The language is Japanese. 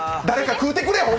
誰か食うてくれ！